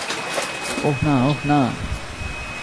ওহ না, ওহ না!